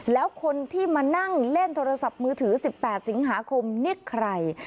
แล้วคนที่มานั่งเล่นโทรศัพท์มือถือ๑๘สิงหาคมนี่ใคร